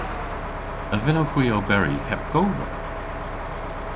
A vynnowgh hwi oberi heb gober?